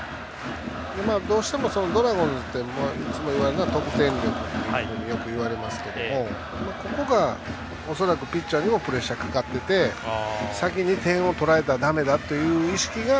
どうしても、ドラゴンズっていつもいわれるのは得点力とよくいわれますけどもここが恐らくピッチャーにもプレッシャーがかかっていて先に点を取られたらだめだという意識が。